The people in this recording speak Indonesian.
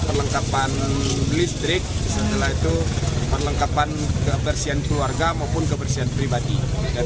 perlengkapan listrik setelah itu perlengkapan kebersihan keluarga maupun kebersihan pribadi dan